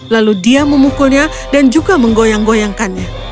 lalu dia memukulnya dan juga menggoyang goyangkannya